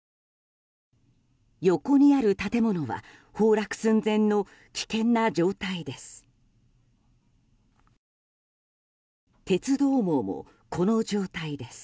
横にある建物は崩落寸前の危険な状態です。